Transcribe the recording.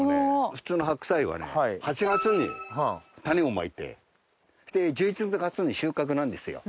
普通の白菜はね８月に種をまいてそして１１月に収穫なんですよ。